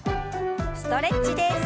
ストレッチです。